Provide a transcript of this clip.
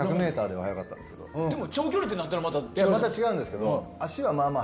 長距離となったらまた違うんですけど。